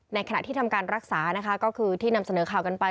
ขณะที่ทำการรักษานะคะก็คือที่นำเสนอข่าวกันไป